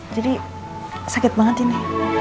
jadi sakit banget ini